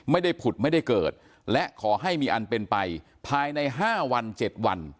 ผุดไม่ได้เกิดและขอให้มีอันเป็นไปภายใน๕วัน๗วัน